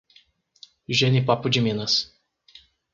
Jenipapo de Minas